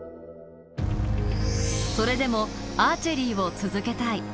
それでもアーチェリーを続けたい。